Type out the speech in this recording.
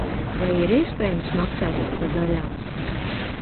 Vai ir iespējams maksāt pa daļām?